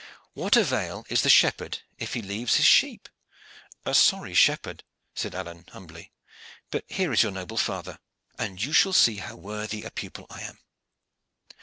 What avail is the shepherd if he leaves his sheep." "A sorry shepherd!" said Alleyne humbly. "But here is your noble father." "And you shall see how worthy a pupil I am.